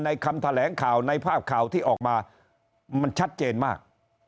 คำแถลงข่าวในภาพข่าวที่ออกมามันชัดเจนมาก